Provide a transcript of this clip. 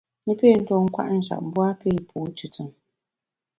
I pé tuo kwet njap, mbu a pé pu tùtùn.